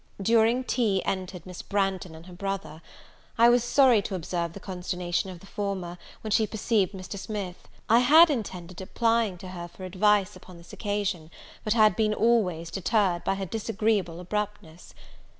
During tea entered Miss Branghton and her brother. I was sorry to observe the consternation of the former, when she perceived Mr. Smith. I had intended applying to her for advice upon this occasion, but had been always deterred by her disagreeable abruptness.